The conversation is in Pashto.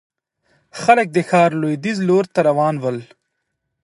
خلک د ښار لوېديځ لور ته روان ول.